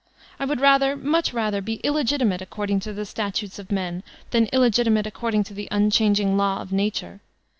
I would rather, mudi rather, be illegitimate according to the statutes of men, than illegitimate according to the unchanging law of Nature.